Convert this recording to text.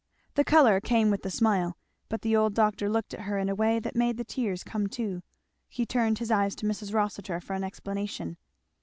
The colour came with the smile; but the old doctor looked at her in a way that made the tears come too. He turned his eyes to Mrs. Rossitur for an explanation.